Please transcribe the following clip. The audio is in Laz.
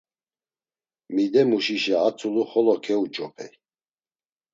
Midemuşişa a tzulu xolo keuç̌opey.